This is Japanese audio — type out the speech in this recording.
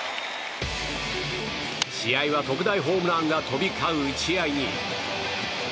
試合は特大ホームランが飛び交う打ち合いに。